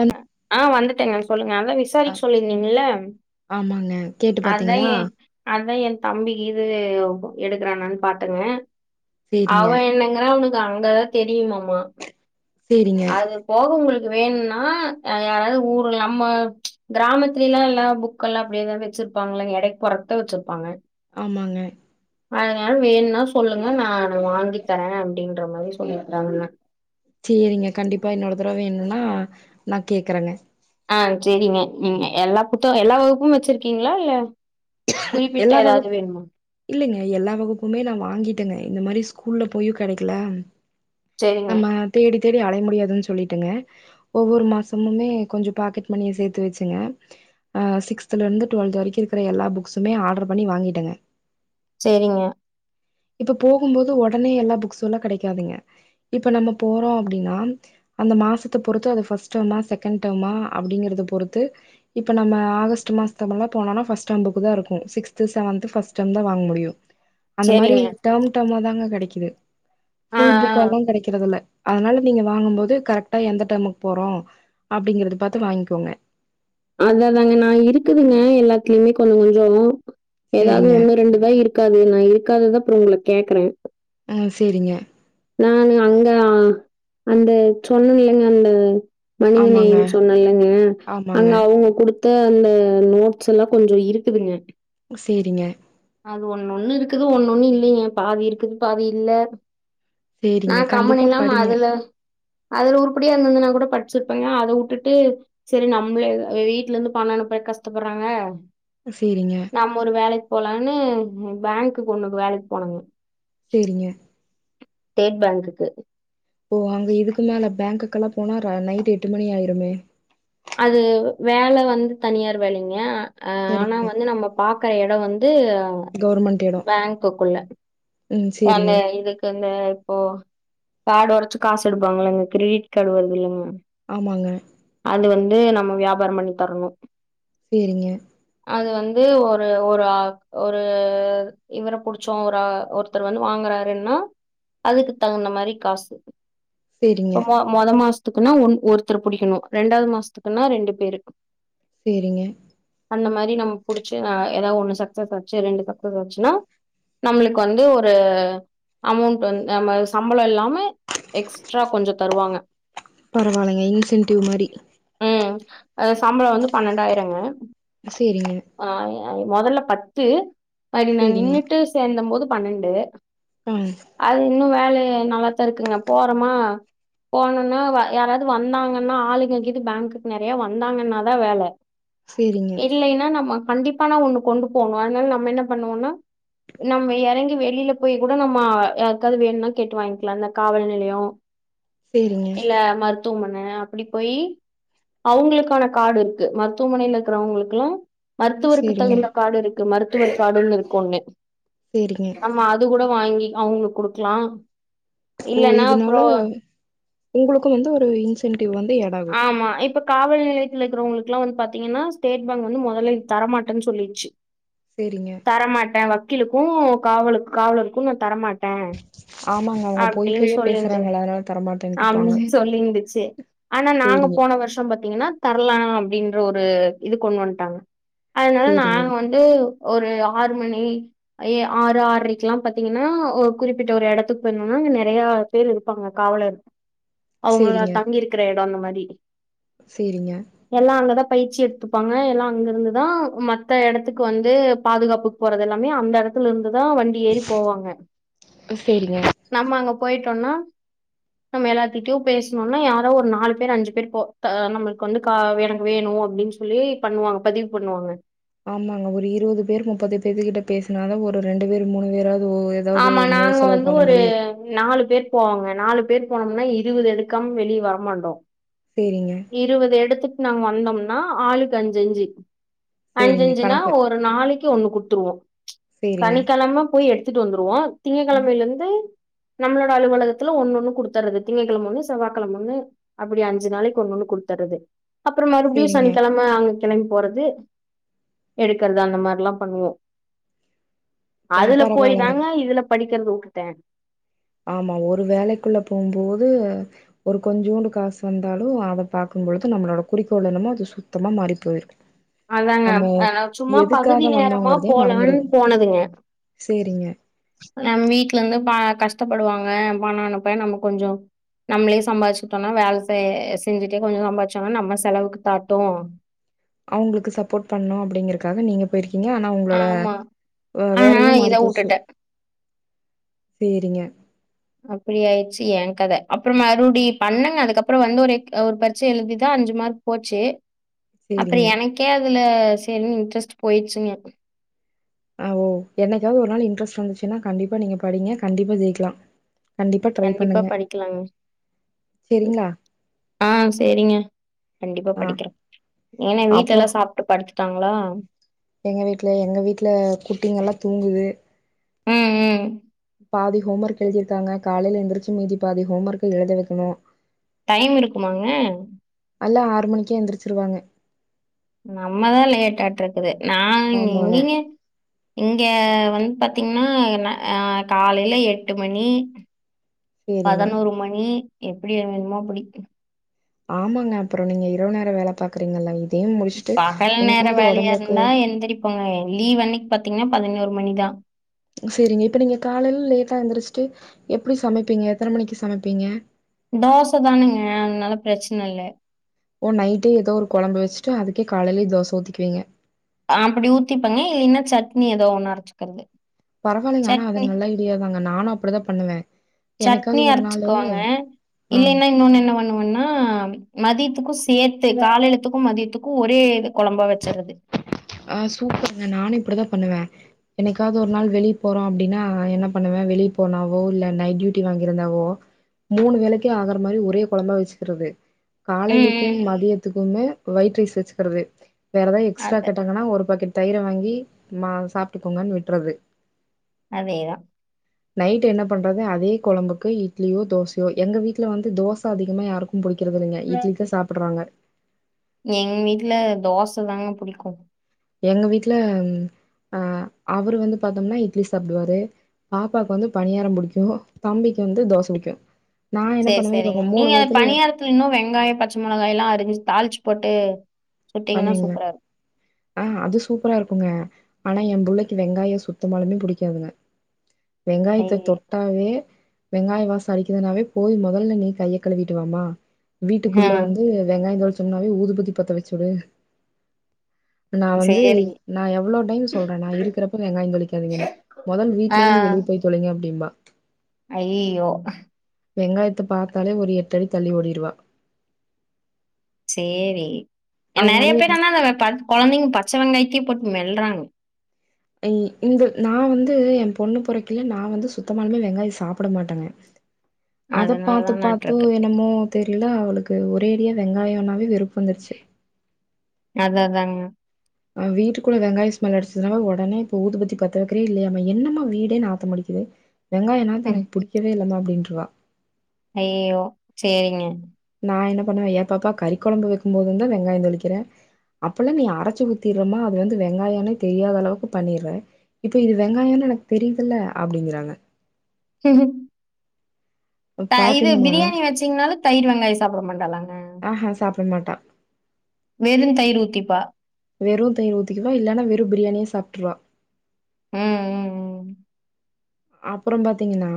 வந்து வந்துட்டேங்க சொல்லி அதான் விசாரிக்க சொல்லிருந்தீங்கள ஆமாங்க கேட்டு அதான் பாத்தீங்களா என் அதான் என் தம்பிக்கு இது எடுக்கறானனு பாத்துங்க அவ சேரிங்க என்னங்கிறா அங்கதான் தெரியுமமா சேரிங்க அது போக உங்களுக்கு வேணும்னா யாராவது ஊர்ல நம்ம கிராமத்துலல்லாம் எல்லாம் புக்க எல்லாம் அப்படியதாவது வச்சிருப்பாங்க எடை போறத்தை வச்சிருப்பாங்க ஆமாங்க அதனால வேணும்னா சொல்லுங்க நான் வாங்கி தரேன் அப்படின்ற மாதிரி சொல்லிர்க்குறாங்க சரிங்க கண்டிப்பா இன்னொட தடவை வேணும்ன்னா நான் கேக்குறேங்க ஆஹ் சரிங்க எல்லா புத்தம் எல்லா வகுப்பும் வச்சிருக்கீங்களா இல்ல குறிப்பிட்ட எல்ல வ ஏதாவது வேணுமா இல்லிங்க எல்லா வகுப்புமே நா வாங்கிட்டேங்க இந்த மாரி ஸ்கூல்ல போயு கெடைக்கல சேரிங்க ஆமா தேடி தேடி அலைய முடியாதுன்னு சொல்லிட்டுங்க ஒவ்வொரு மாசமுமே கொஞ்சோ பாக்கெட் மணிய சேத்து வெச்சுங்க சிக்ஸ்துல இருந்து டுவெல்த் வர இருக்கிற எல்லா புக்சுமே ஆர்டர் பண்ணி வாங்கிட்டங்க சேரிங்க இப்ப போகும் போது ஒடனே எல்லா புக்சும் எல்லா கெடைக்காதுங்க இப்ப நம்ம போறோ அப்டின்னா அந்த மாசத்த பொறுத்து அது ஃபர்ஸ்ட் டெர்மா செகண்ட் டெர்மா அப்டிங்கறத பொறுத்து இப்ப நம்ம ஆகஸ்ட் மாசத்த எல்லா போனோனா ஃபர்ஸ்ட் டேம் புக் தா இருக்கு சிக்ஸ்து செவன்த்து ஃபர்ஸ்ட் டேம் தா வாங்க முடியு சேரிங்க வன்ட தாங்க கெடைக்குது ஆ புல் ஆ புக்ல்லாம கெடைக்கிறது இல்ல அதனால நீங்க வாங்கும் போது கரெக்டா எந்த டேமுக்கு போறோ அப்டிங்கறத பாத்து வாங்கிக்கோங்க அதாதாங்க நா இருக்குதுங்க எல்லாத்துலயுமே கொஞ்சோ கொஞ்சோ எதாவ்து சேரிங்க ஒண்ணு ரெண்டுதா இருக்காது நா இருக்காத தா அப்புறம் உங்களுக்கு கேக்குறே ஆ சேரிங்க நானு அங்க அந்த சொன்னன் இல்லங்க அந்த ஆமாங்க மனிதனேயனு சொன்னல்லலைங்க ஆமாங்க அங்க அவங்க குடுத்து அந்த நோட்ஸ் எல்லா கொஞ்சோ இருக்குதுங்க சேரிங்க அது ஒன்னு ஒண்ணு இருக்குது ஒண்ணு ஒண்ணு இல்லிங்க பாதி இருக்குது பாதி இல்ல நா சேரிங்க கண்டிப்பா கம்முனுல்லாம படிங்க அதுல அதுல உருப்படியா இருந்ததுன்னா கூட படிச்சுருப்பேங்க அத விட்டுட்டு செரி நம்மள வீட்ல இருந்து பணம் அனுப்ப கஷ்டப்படுறாங்க சேரிங்க நம்மொரு வேல போலா னு பேங்க்குக்கு ஒண்ணுக்கு வேலைக்கு போனாங்க சேரிங்க ஸ்டேட் பேங்க்குக்கு ஓ அங்க இதுக்கு மேல பேங்குக்கெல்லா போனா நைட் எட்டு மணி ஆயிருமே அது வேல வந்து தனியார் வேலிங்க அஹ் ஆனா சரிங்க வந்து நம்ம பாக்குற எடம் வந்து கவர்மெண்ட் எடோ பேங்க்குக்குள்ள ம் அல்ல சேரிங்க இதுக்கு இந்த இப்போ கார்டு ஒடச்சு காசு எடுப்பாங்களங்க கிரெடிட் கார்டு வருதுல்லங்க ஆமாங்க வந்து நம்ம வியாபாரம் பண்ணி தரணு சேரிங்க அது வந்து ஒரு ஒரு ஒரு இவரோ புடிச்சோ ஒரு ஒரு ஒருத்தரு வந்து வாங்குறாருன்னா அதுக்கு தகுந்த மாரி காசு சேரிங்க இப்ப மொ மொத மாச த்துக்குன்னா ஒன் ஒருத்தர் புடிக்கணு ரெண்டாவது மாசத்துக்குன்னா ரெண்டு பேரு சேரிங்க அந்த மாரி நம்ம புடிச்ச ஏதாது ஒன்னு சக்ஸஸ் ஆச்சி ரெண்டு சக்ஸஸ் ஆச்சுன்னா நம்மளுக்கு வந்து ஒரு அமௌண்ட் வந்து நம்ம சம்பளம் இல்லாம எக்ஸ்ட்ரா கொஞ்சோ தருவாங்க பரவால்ங்க இன்சென்டிவ் மாரி அ சம்பளம் வந்து பன்னெண்டாயிரங்க சேரிங்க ஆஹ் மொதல்ல [unintelligible] து அது நா சேரிங்க நின்னுட்டு சேந்த போது பன்னெண் டு ஆ அது இன்னு வேல [unintelligible] நல்லாத்தா இருக்குங்க போறமா போனும்னா வ யாராவது வந்தாங்கன்னா ஆளுங்க கீது பேங்க்குக்கு நறைய வந்தாங்கன்னா தா வேல சேரிங்க இல்லைன்னா நம்ம கண்டிப்பா ஆனா ஒண்ணு கொண்டு போணு அதனால நம்ம என்ன பண்ணுவோம்னா நம்ம எறங்கி வே வெளியில போய் கூட நம்ம யாருக்காது வேணும்னா கேட்டு வாங்கிக்கலா இந்த காவல் நெலைய சேரிங்க துவமன அப்டி போய் அவுங்களுக்கான காடு இருக்கு மருத்துவமனையில இருக்கிறவங்களுக்குல்லா மருத்துவருக்கு சேரிங்க தகுந்த காடு இருக் கு மருத்துவர் காடுன்னு இருக்கு ஒன்னு சேரிங்க ஆமா அது கூட வாங்கி அவுங்களுக்கு குடுக்கலா ஓ இல்லன்னா இதனால அப்றோ உங்களுக்கு வந்து ஒரு இன்சென்டிவ் வந்து ஆட் ஆகு ஆமா இப்ப காவல் நிலையத்துல இருக்கிறவங்களுக்கு எல்லா வந்து பாத்தீங்கன்னா ஸ்டேட் பேங்க் வந்து மொதல்ல தரமாட்டேன்னு சொல்லிருச்சு சேரிங்க தரமாட்டே வக் கீலுக்கு காவலு காவலருக்கு நா தரமாட்டே ஆமாங்க அவுங்க போய் அப்டின்னு போய்யா சொல்லிருந்து பேசுறாங்கள அதனால தரமாட்டேன்ட்டு இருப்பாங்க அப்டின்னு சொல்லிருந்துச்சு ஆனா நாங்க போன வர்ஷோ பாத்தீங்கன்னா தர் லா அப்டின்ற ஒரு இது கொண்டு வந்துட்டாங்க அதனால சேரிங்க நாங்க வந்து ஒரு ஆறு மணி ஏ ஆறு ஆறரைக்குல்லா பாத்தீங்கன்னா ஒரு குறிப்பிட்ட ஒரு எடத்துக்கு போய்ருந்தோன்னா அங்க நெறைய பேரு இருப்பாங்க காவலர் அவுங்கள சேரிங்க தங்கிருக்க எடம் அந்த மாரி சேரிங்க எல்லா அங்கதா பயிற்சி எடுத்துப்பாங்க எல்லாம் அங்கிருந்துதா மத்த இடத்துக்கு வந்து பாதுகாப்புக்கு போறது எல்லாமே அந்த எடத்துல இருந்து தா வண்டி ஏறி போவாங்க சேரிங்க நம்ம அங்க போயிட் டோனோம்னா நம்ம எல்லாத்திட்டயு பேசணும்னா யா யாத ஒரு நாலு பேர் அஞ்சு பேர் போ த நம்ளுக்கு வந்து கா எனக்கு வேணும் அப்டின்னு சொல்லி பண்ணுவாங்க பதிவு பண்ணுவாங்க ஆமாங்க ஒரு இருபது பேர் முப்பது பேத்து கிட்ட பேசுனாதா ஒரு ரெண்டு பேர் மூணு பேராது ஆமா நாங்க வந்து ஒரு நாலு பேர் போவாங்க நாலு பேர் போனோம்னா இருபது எடுக்காம வெளியே வரமாட்டோம் சேரிங்க இருபது எடுத்து நாங்க வந்தோம்னா ஆளுக்கு அஞ்சஞ்சு சேரிங்க அஞ்சுஞ்சுனா கணக்கு ஒரு நாளைக்கு ஒண்ணு குட் த்ருவோ சேரிங்க சனிக்கழம போயி எடுத்து துட்டு வந்துருவோம் திங்க ம் கிழமையில இருந்து நம்மளோட அலுவலகத்துல ஒண்ணு ஒண்ணு குடுத்தறது திங்ககிழம ஒண்ணு செவ்வா கிழம ஒன்னு அப்டி அஞ்சு நாளைக்கு ஒண்ணு ஒண்ணு கொடுத்தறது அப்றம் மறுபடியும் சேரிங்க சனிக்கிழமை அங்க கிளம்பிபோறது எடுக்கறது அந்த மாரில்லாம் பண்ணுவோம் ஆ அதுல போய் பரவால்லங்க தாங்க இதுல படிக்க க்றது வுட்டுட்டே ஆமா ஒரு வேலைக்குள்ள போகும்போது ஒரு கொஞ்சோண்டு காசு வந்தாலும் அத பாக்கும்போது நம்மளோட குறிக்கோள் என்னமோ அது சுத்தமா மாறி போயிரும் அதாங்க ஆ சும்மா பகுதி நேரமா வந்தோங்கறதே போலான்னு மறந்துருவோ போனதுங்க சேரிங்க நம் வீட்ல இருந்து பா கஷ்ட ப்படுவாங்க பணம் அனுப்ப நம்ம கொஞ்ச நம்ளே சம்பாதிச்சுக்கிட்டோம்னா வேலை செஞ்சுட்டே கொஞ்சம் சம்பாதிச்சோனா நம்ம செலவுக்கு தாட்டும் அவங்களுக்கு சப்போர்ட் பண்ணும் அப்டிங்றக்காக நீங்க போயிருக்கீங்க ங்க ஆனா உங்களோட ஆமா ஆனா வேலையே மாறி இத போச்சு வுட்டுட்டே சேரிங்க அப்படியாயிருச்சி என் கத அப்பறம் மறுபடி பண்ணுங்க அதுக்கப்பறம் வந்து ஒரு ஒரு பரிச்சை எழுதிதா அஞ்சு மார்க் போச்சு சேரிங்க அப்பறம் எனக்கே அது அதுல சேரினு இன்ட்ரெஸ்ட் போயிடுச்சுங்க ஆ ஓ என்னைக்காவது ஒரு நாள் இன்ட்ரெஸ்ட் வந்துச்சுன்னா கண்டிப்பா நீங்க படிங்க கண்டிப்பா ஜெயிக்கலாம் கண்டிப்பா படிக்லாங்க சரிங்களா ஆஹ் சேரிங்க கண்டிப்பா ஆ படிக்கிற ஏன்னா அப்புறோ வீட்லல்லா சாப்ட்டு படுத்து ட்டாங்களா எங்க வீட்ல எங்க வீட்ல குட்டிங்க எல்லாம் தூங்குது ம் ம் பாதி ஹோம் ஒர்க் எழுதிருக்காங்க காலைல எழுந்திருச்சி மீதி பாதி ஹோம் ஒர்க் எழுத வைக்கணு டைம் இருக்குமாங்க அல்ல ஆறு மணிக்கே எழுந்திரிச்சிருவாங்க நம்மதா லேட் ஆட்டு இருக்குது நான் ஆமாங்க எங்கிங்க இங்க வந்து பாத்தீங்கன்னா நா அஹ் காலையில எட்டு மணி சேரிங்க பதினோரு மணி எப்டி வேணுமோ அப்டி ஆமாங்க அப்புறோ நீங்க இரவு நேரொ வேல பாக்குறீங்கல்லங் பகல் நேர வேலையா இருந்தா எந்திரிப்பேங்க லீவ் அண்ணிக் பாத்தீங்கன்னா பதினோரு மணிதா சரிங்க இப்ப நீங்க காலையில லேட்டா எந்திருச்சுட்டு எப்டி சமைப்பீங்க எத்தன மணிக்கு சமைப்பீங்க தோச தானுங்க அதுனால பிரச்சன இல்ல ஓ நைடே ஏதோ ஒரு கோழம்பு வெச்சுட்டு அதுக்கே காலையிலயே தோச ஊத்திக்குவீங்க அப்டி ஊத்திப்பேங்க இல்லைன்னா சட்னி ஏதோ ஒன்னு அரச்சுக்குறது பரவாயில்லைங்க ஆனா அது நல்லா ஐடியாதாங்க நானு அப்டிதா பண்ணுவே சட்னி அரச்சுக்குவாங்க ஆ இல்லைன்னா இன்னொன்னு என்ன பண்ணுவன்னா மதி யத்துக்கு சேத்து காலைலத்துக்கு மதியத்துக்கு ஒரே கொழம்பா வச்சுறது ஆஹ் சூப்பருங்க நானு இப்டிதா பண்ணுவே என்னிக்காவது ஒரு நாள் வெளியே போறோ அப்டின்னா என்ன பண்ணுவே வெளியே போனாவோ இல்ல நைட் டியூட்டி வாங்கியிருந்தாவோ மூணு வேலைக்கு ஆகுற மாரி ஒரே கொழம்பா வெச்சுக்குறது ம், காலைலக்கு ம். மதியத்துக் குமே வயிட் ரைஸ் வச்சுக்குறது வேறதா எக்ஸ்ட்ரா அது னா ஒரு பக்கெட் தயிர வாங்கி இந்தாங் சாப்ட்டுக்கோங்கன்னு விட்டுறது அதேதா நைட் என்ன பண்றது அதே கோழம்புக்கு இட்லியோ தோசையோ எங்க வீட்டுல வந்து தோச அதிகமா யாருக்கு புடிக் குறதில்லைங்க இட்லுக்கு சாப்பிடுறாங்க எங்க வீட்டுல தோச தாங்க புடிக்கு எங்க வீட்டுல அஹ் அவரு வந்து பாத்தோம்னா இட்லி சாப்டுவாரு பாப்பாவுக்கு வந்து பணியாரொ புடிக்கு தம்பிக்கு வந்து தோச புடிக்கு நா என்ன சரி பண்ணுவே சரிங்க இவங்க மூணு நீங்க பேத்துல பணியாரத்துல இன்னு வெங்காயொ பச்ச மொளகா எல்லா அரஞ்சு தாளிச்சு போட்டு சுட்டீங்கன்னா பண்ணுவீங்க சூப்பரா இருக்கும். ஆஹ் அது சூப்பரா இருக் குங்க ஆனா எ புள்ளைக்கு வெங்காயொ சுத்தமாலுமே புடிக்காதுங்க வெங்காயத்த ஐயய்யோ! தொட்டாவே வெங்காய வாசொ அடிக்குதுனாவே போது மொதல்ல நீ கைய கழுவிட்டுவாமா வீட்டுக்குள்ள ம். வந்து வெங்காயொ தொளிச் ன்னாவே ஊதுபத்தி பத்த வெ சுடு நா வந்து சரி. நா எவ்ளோ டைம் சொல்றே நா இருக்கிறப்பொ வெங்காயொ தொளிக்காதீங்கன்னு மொதல் வீட்ல இருந்து வெளியே போய் தொலைங்க அப்டிம்பா அய்யய்யோ வெங்காயத்தை பார்த்தாலே ஒரு எட்டடி தள்ளி ஓடிடுவா சேரி நிறைய பேர்னா அந்த குழந்தைங்க பச்சை வெங்காயத்தையே போட்டு மெல்றாங்க ஹ இந்த நான் வந்து என் பொண்ணு பொறைக்குள்ளயே நான் வந்து சுத்தமாலுமே வெங்காயம் சாப்பிட மாட்டேங்க அத அதனால பார்த்து பார்த்து தானாட்ருக்கு. என்னமோ தெரியில அவளுக்கு ஒரேடியாக வெங்காயம்ன்னாவே வெறுப்பு வந்துருச்சு அத் அதானுங்க உஹ வீட்டுக்குள்ளே வெங்காயம் ஸ்மெல் அடிச்சதுனாலாவே உடனே இப்ப ஊதுபத்தி பத்த வைக்கிறேயா இல்லையா என்னம்மா வீடே நாத்தமடிக்குது வெங்காயம நாத்தம் எனக்கு புடிக்கவே இல்லாமமா அப்படின்று வா ஐயய்யோ சரிங்க நான் என்ன பண்ணுவேன் ஏ பாப்பா கறி குழம்பு வைக்கும்போது தான் வெங்காயம் தொழிக்கிறேன் அப்பெல்லாம் நீ அரைச்சு ஊத்திறேமா அது வந்து வெங்காயமே தெரியாத அளவுக்கு பண்ணிறே இப்ப இது வெங்காயம்னு எனக்கு தெரியுதல்ல அப்படிங்கறா ம்ஹும் இது பாத்தீங்கன்னா பிரியாணி வச்சிங்கனாலும் தயிர் வெங்காயம் சாப்பிடமாட்டாளா ஆஹ்ஹா சாப்ப மாட்டா மேலும் தயிர் ஊத்திப்பா வெறும் தயிர் ஊத்தக்குவா இல்லைன்னா வெறும் பிரியாணியே சாப்பிட்டுருவா உம் உம் உம் அப்புறம் பாத்தீங்கன்னா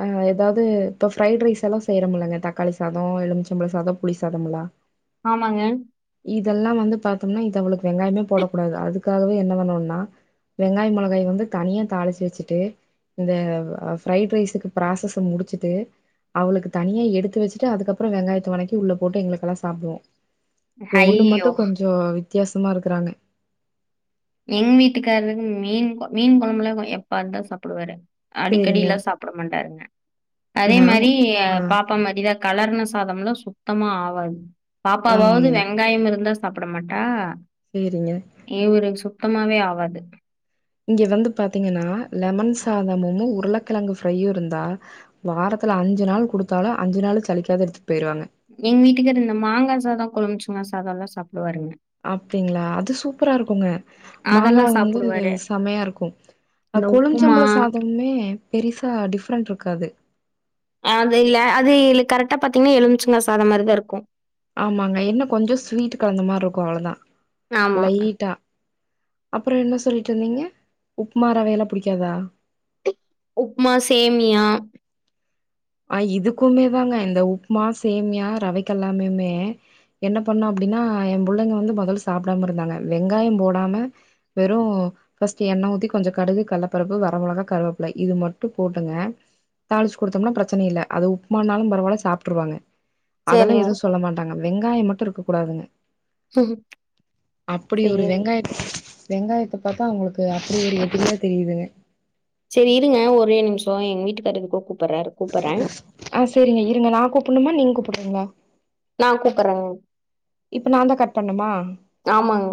அ எதாது இப்ப ஃப்ரைட் ரைஸ் எல்லா செய்றோம் இல்லங்க தக்காளி சாதோ எலுபிச்சம்பழோ சாதோ புளி சாதம்லா ஆமாங்க இதெல்லா வந்து பாத்தோம்னா இது அவுளுக்கு வெங்காயமே போடக்கூடாது அதுக்காகவே என்ன பண்ணோம்னா வெங்காயம் மொளகாய வந்து தனியா தாளிச்சி வெச்சிட்டு இந்த ஃப்ரைட் ரைஸுக்கு ப்ராசஸ முடிச்சிட்டு அவளுக்கு தனியா எடுத்து வச்சுட்டு அதுக்கப்புறோ வெங்காயத்த வனக்கிட்டு உள்ள போட்டு எங்களுக்கெல்லா சாப்டுவோ இவே ஒன்னு மட்டு ஐயோ! கொஞ்சோ வித்தியாசமா இருக்குறாங்க என் வீட்டுக்காரரு மீன் கொ மீன் கொழம்புலா இருகோ எப்பாதுதா சாப்புடுவாரு சேரிங்க அடிக்கடில்லா சாப்பிட மாட்டாருங்க அதே நாங் மாரி ஆ பாப்பா மாதிதா கலர்ன சாதம்லா சுத்தமா ஆவாது பாப்பாவாது ஆமாங்க வெங்காயம் இருந்தா சாப்ட மாட்டா சேரிங்க இவருக் சுத் சுத்தமாவே ஆவாது இங்க வந்து பாத்தீங்கன்னா லெமன் சாதமமும் உருளக்கெழங்கு ஃப்ரையும் இருந்தா வாரத்துல அஞ்சு நாள் குடுத்தாலு அஞ்சு நாளு சளிக்காத எடுத்துப் எங் வீட்டுக்காரு இந்த மாங்கா சாதோ கொழம்புச் அந் மாரி சாதோதா சாப் அப்டிங்களா அது சுப் சூப்பரா இருக்கோங்க மாங்கா அதெல்லாம் வந்து சாப்பிடுவாரு. செமையா இருக்கு அ இந்த உப்புமா கொழும்ச்சம்பள சாதமே பெரிசா டிஃப்ரெண்ட் இருக்காது அது இல்ல அது இல் கரெக்டா பாத்தீங்னா எலுமிச்சங்கா சாதம் மாதிரிதா இருக்கு ஆமாங்க என்ன கொஞ்சொ ஸ்வீட் கலந்த மாரி இருக்கு அவ்ளொ தா ஆமா. லைட்டா அப்புற என்ன சொல்லிட்டிருந்தீங்க உப்மா ரவேல புடிக்காதா உப்மா சேமியா ஆ இதுக்குமேவாங்க இந்த உப்புமா சேமியா ரவைக்கெல்லாமுமே என்ன பண்ணு அப்டின்னா ஏ புள்ளைங்க வந்து மொதல் சாப்டாம இருந்தாங்க வெங்காயோ போடாம வெறு ஃபஸ்ட்டு எண்ணெ ஊத்தி கொஞ்சோ கடுகு கல்லப்பருப்பு வர மெளகா கருவேப்பில இது மட்டு போட்டுங்க தாளிச்சு கொடுத்தோம்னா பிரச் பிரச்சன இல்ல அது உப்புமானாலு பரவால்ல சாப்ட்டுருவாங்க அதெல்லாம் சரிங்க. எதுவு சொல்ல மாட்டாங்க வெங்காயோ மட்டு இருக்க கூடாதுங்க அப்புடி ஒரு சரி. வெங்காய வெங்காயத்த பாத்தா அவுங்களுக்கு அப்டி ஒரு எதிரியா தா தெரியுதுங்க செரி இருங்க ஒரே நிமிஷோ எங்க வீட்டுக்காரரு கூப் ஆ சேரிங்க இருங்க நா கூப்புடனுமா நீங்க நீங்க கூப்பட்றீங்களா நா கூப்பறேங்க இப்ப நா தா கட் பண்ணணுமா? ஆமாங்க